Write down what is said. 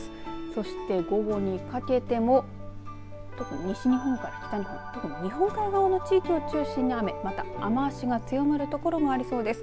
そして午後にかけても特に西日本から北日本日本海側の地域を中心に雨また雨足が強まる所もありそうです。